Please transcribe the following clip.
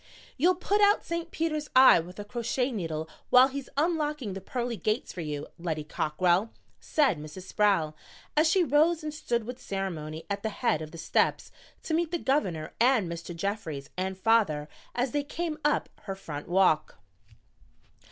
"You'll put out St. Peter's eye with a crochet needle while he's unlocking the pearly gates for you, Lettie Cockrell," said Mrs. Sproul, as she rose and stood with ceremony at the head of the steps to meet the Governor and Mr. Jeffries and father as they came up her front walk.